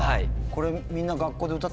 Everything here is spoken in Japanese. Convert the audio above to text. これみんな。